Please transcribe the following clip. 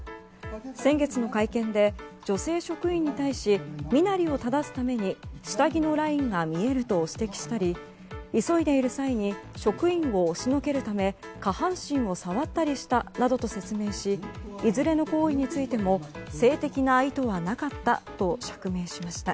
先月の会見で、女性職員に対し身なりを正すために下着のラインが見えると指摘したり急いでいる際に職員を押しのけるため下半身を触ったりしたなどと説明しいずれの行為についても性的な意図はなかったと釈明しました。